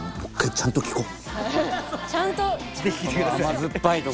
ちゃんと聞こう。